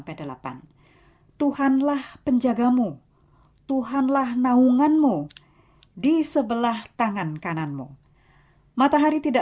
yang telah ditempatkan di dalam hati kita